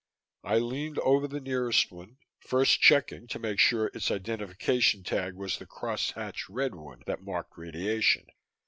I leaned over the nearest one, first checking to make sure its identification tag was the cross hatched red one that marked "radiation."